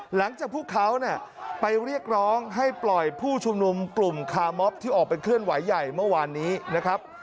หลังจากพวกเขาเนี่ยไปเรียกร้องให้ปล่อยผู้ชุมนุมกลุ่มคาร์มอบที่ออกเป็นเคลื่อนไหวใหญ่เมื่อวานนี้นะครับ